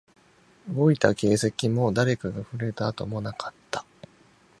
動いた形跡も、誰かが触れた跡もなかった